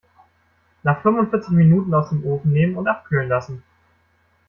Nach fünfundvierzig Minuten aus dem Ofen nehmen und abkühlen lassen.